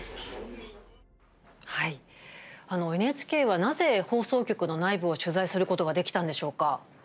ＮＨＫはなぜ放送局の内部を取材することができたのでしょうか？